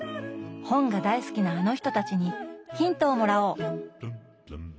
本が大好きなあの人たちにヒントをもらおう！